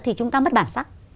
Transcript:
thì chúng ta mất bản sắc